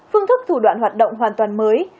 phương thức thủ đoạn hoạt động hoàn toàn mới